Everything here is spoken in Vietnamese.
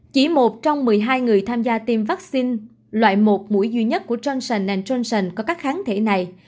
chỉ một trong một mươi hai người tham gia tiêm vaccine loại một mũi duy nhất của johnson johnson có các kháng thể này